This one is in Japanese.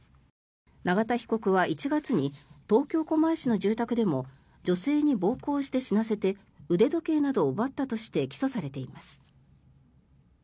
永田被告は１月に東京・狛江市の住宅でも女性に暴行して死なせて腕時計などを奪ったとして起訴されています。